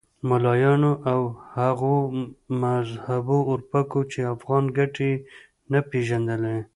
ملایانو او هغو مذهبي اورپکو چې افغاني ګټې یې نه پېژندلې.